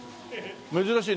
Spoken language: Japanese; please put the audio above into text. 珍しいね。